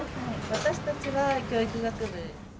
私たちは教育学部です。